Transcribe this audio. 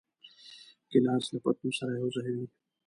ګیلاس له پتنوس سره یوځای وي.